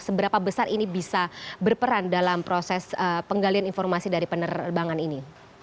seberapa besar ini bisa berperan dalam proses penggalian informasi dari penerbangan ini